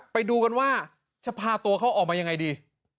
ไปดูกันว่าจะพาตัวเขาออกมายังไงดี